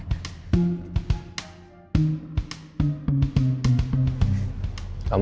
ya dia pasti